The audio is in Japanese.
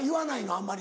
あんまり。